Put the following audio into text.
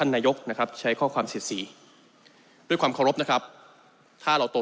นายกนะครับใช้ข้อความเสียดสีด้วยความเคารพนะครับถ้าเราโต